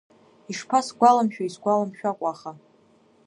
Ишԥасгәаламшәои, исгәаламшәакәа, аха…